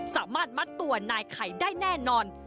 สามารถมัดตัวนายไข่ได้แน่นอน